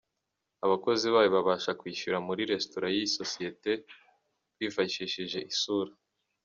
Abakozi bayo babasha kwishyura muri restaurant y’iyi sosiyete bifashishije isura.